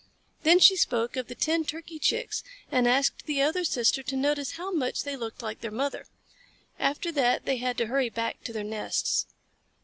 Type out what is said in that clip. Then she spoke of the ten Turkey Chicks and asked the other sister to notice how much they looked like their mother. After that they had to hurry back to their nests.